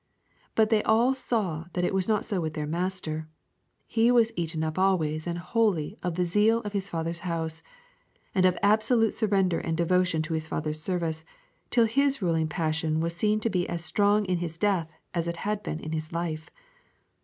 But they all saw that it was not so with their Master. He was eaten up always and wholly of the zeal of His Father's house, and of absolute surrender and devotion to His Father's service, till His ruling passion was seen to be as strong in His death as it had been in His life.